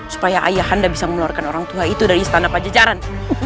supaya ayahanda bisa mengeluarkan orang tua itu dari istana pejajaran